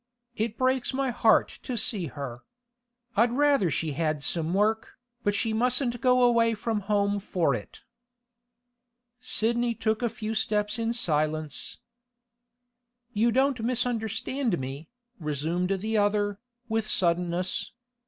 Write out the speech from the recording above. It breaks my heart to see her. I'd rather she had some work, but she mustn't go away from home for it.' Sidney took a few steps in silence. 'You don't misunderstand me,' resumed the other, with suddenness.